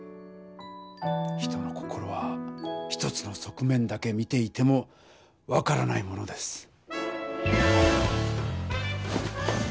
人の心は一つの側面だけ見ていても分からないものです。